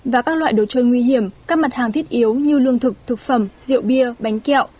và các loại đồ chơi nguy hiểm các mặt hàng thiết yếu như lương thực thực phẩm rượu bia bánh kẹo